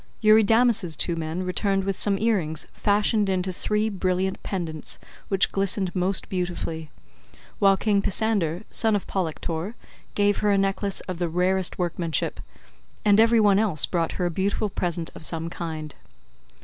Eurydamas's two men returned with some earrings fashioned into three brilliant pendants which glistened most beautifully; while king Pisander son of Polyctor gave her a necklace of the rarest workmanship, and every one else brought her a beautiful present of some kind.